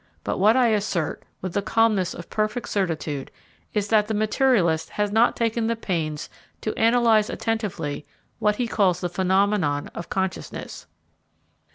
But what I assert, with the calmness of perfect certitude, is that the materialist has not taken the pains to analyse attentively what he calls the phenomenon of consciousness.